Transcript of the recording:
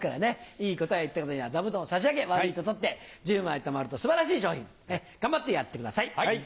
いい答え言った方には座布団を差し上げ悪いと取って１０枚たまると素晴らしい賞品頑張ってやってください。